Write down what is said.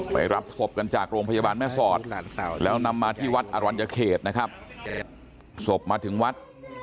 รับศพกันจากโรงพยาบาลแม่สอดแล้วนำมาที่วัดอรัญญเขตนะครับศพมาถึงวัด